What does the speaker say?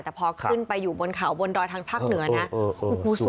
แต่พอขึ้นไปอยู่บนเขาบนดอยทางภาคเหนือนะ